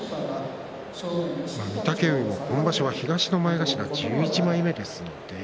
御嶽海、今場所は東の前頭１１枚目です。